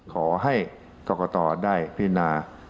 ขอให้กรกฎาได้พิจารณา